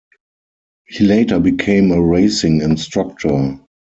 He later became a racing instructor.